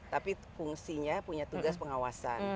tapi fungsinya punya tugas pengawasan